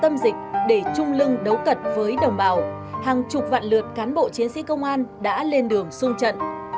trong tâm dịch để trung lưng đấu cật với đồng bào hàng chục vạn lượt cán bộ chiến sĩ công an đã lên đường sung trận